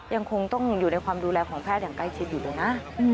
ยังคงต้องอยู่ในความดูแลของแพทย์อย่างใกล้ชิดอยู่เลยนะ